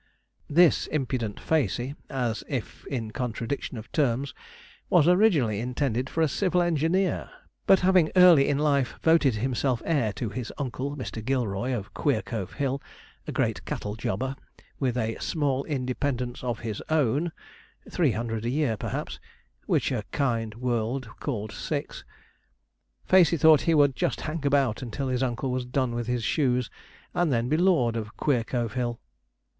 This impudent Facey, as if in contradiction of terms, was originally intended for a civil engineer; but having early in life voted himself heir to his uncle, Mr. Gilroy, of Queercove Hill, a great cattle jobber, with a 'small independence of his own' three hundred a year, perhaps, which a kind world called six Facey thought he would just hang about until his uncle was done with his shoes, and then be lord of Queercove Hill.